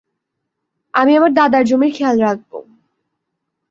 আমি আমার দাদার জমির খেয়াল রাখবো।